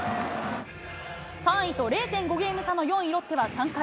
３位と０．５ゲーム差の４位ロッテは３回。